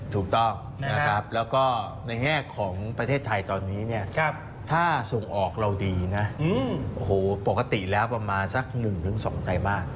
ถูกต้องนะครับแล้วก็ในแง่ของประเทศไทยตอนนี้เนี่ยถ้าส่งออกเราดีนะโอ้โหปกติแล้วประมาณสัก๑๒ไตรมาส